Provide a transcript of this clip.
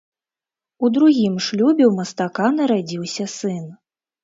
У другім шлюбе ў мастака нарадзіўся сын.